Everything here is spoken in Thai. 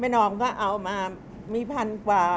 นอมก็เอามามีพันกว่า